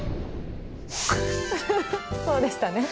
そうでしたね。